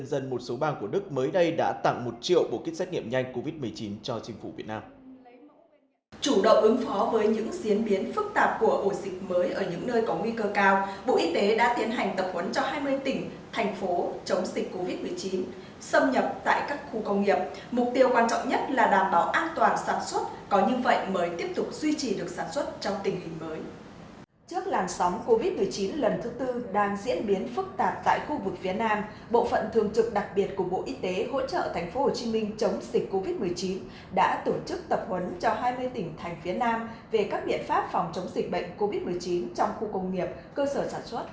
trước làn sóng covid một mươi chín lần thứ tư đang diễn biến phức tạp tại khu vực phía nam bộ phận thường trực đặc biệt của bộ y tế hỗ trợ tp hcm chống dịch covid một mươi chín đã tổ chức tập huấn cho hai mươi tỉnh thành phía nam về các biện pháp phòng chống dịch bệnh covid một mươi chín trong khu công nghiệp cơ sở sản xuất